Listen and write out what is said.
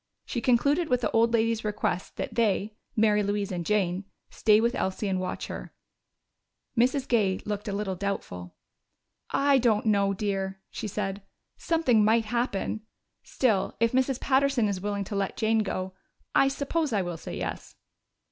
She concluded with the old lady's request that they Mary Louise and Jane stay with Elsie and watch her. Mrs. Gay looked a little doubtful. "I don't know, dear," she said. "Something might happen. Still, if Mrs. Patterson is willing to let Jane go, I suppose I will say yes."